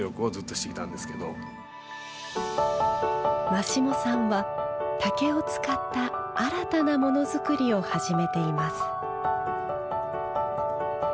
真下さんは竹を使った新たなものづくりを始めています。